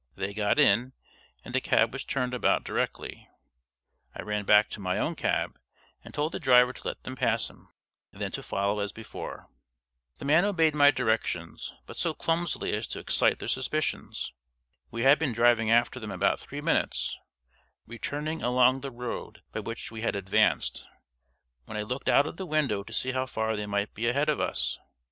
They got in, and the cab was turned about directly. I ran back to my own cab and told the driver to let them pass him, and then to follow as before. The man obeyed my directions, but so clumsily as to excite their suspicions. We had been driving after them about three minutes (returning along the road by which we had advanced) when I looked out of the window to see how far they might be ahead of us.